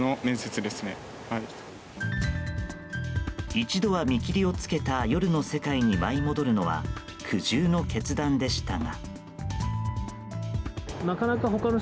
一度は見切りをつけた夜の世界に舞い戻るのは苦渋の決断でしたが。